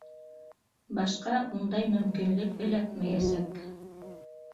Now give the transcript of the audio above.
Башҡа ундай мөмкинлек эләкмәйәсәк.